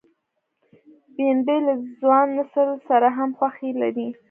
بېنډۍ له ځوان نسل سره هم خوښي لري